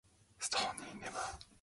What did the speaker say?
Stoney never responded to the statement.